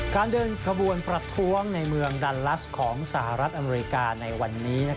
เดินขบวนประท้วงในเมืองดันลัสของสหรัฐอเมริกาในวันนี้